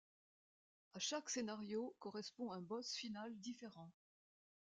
À chaque scénario correspond un boss final différent.